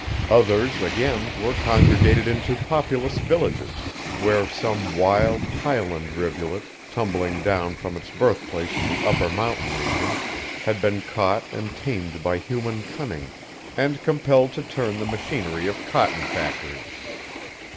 Others, again, were congregated into populous villages, where some wild, highland rivulet, tumbling down from its birthplace in the upper mountain region, had been caught and tamed by human cunning, and compelled to turn the machinery of cotton factories.